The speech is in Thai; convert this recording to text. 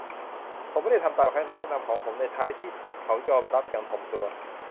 ผมไม่ได้ทำตามคำแนะนำของผมในท้ายที่สุด เขายอมรับอย่างถ่อมตัว